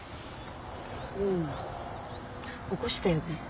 うん起こしたよね。